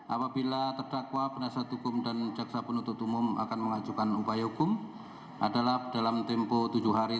apabila terdakwa penasihat hukum dan jaksa penuntut umum akan mengajukan upaya hukum adalah dalam tempo tujuh hari